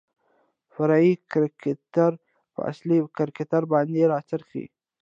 فرعي کرکتر په اصلي کرکتر باندې راڅرخي .